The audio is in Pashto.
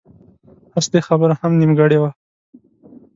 اصلي خبره هم نيمګړې وه.